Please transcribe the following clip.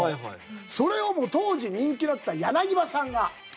それを当時、人気だった柳葉さんが。